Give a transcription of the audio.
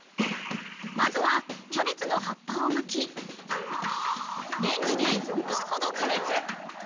まずはキャベツの葉っぱをむき、レンジで４分ほど加熱。